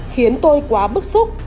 khiến tôi quá bức xúc